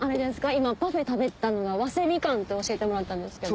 今パフェ食べたのが早生みかんって教えてもらったんですけど。